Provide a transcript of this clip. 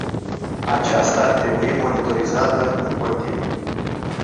Aceasta ar trebui monitorizată în continuu.